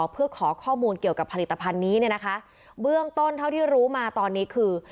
เพื่อขอข้อมูลเกี่ยวกับผลิตภัณฑ์นี้เนี่ยนะคะเบื้องต้นเท่าที่รู้มาตอนนี้คือ